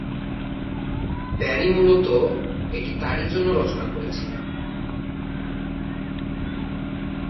Barry মূলত এটি তারই জন্য রচনা করেছিলেন।